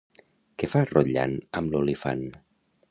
Què fa Rotllan amb l'olifant?